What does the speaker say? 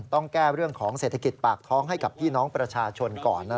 ต้องแก้เรื่องของเศรษฐกิจปากท้องให้กับพี่น้องประชาชนก่อน